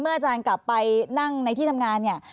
อาจารย์กลับไปนั่งในที่ทำงานเนี่ย